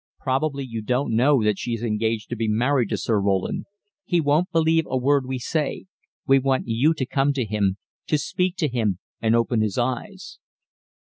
Probably you don't know that she is engaged to be married to Sir Roland. He won't believe a word we say. We want you to come to him to speak to him and open his eyes."